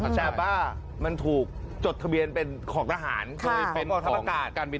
แต่ว่ามันถูกจดทะเบียนเป็นของทหารคือเป็นของกองทัพอากาศ